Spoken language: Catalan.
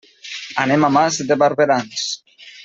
Anem a Mas de Barberans.